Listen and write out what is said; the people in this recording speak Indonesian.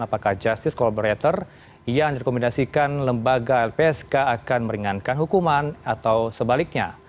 apakah justice collaborator yang direkomendasikan lembaga lpsk akan meringankan hukuman atau sebaliknya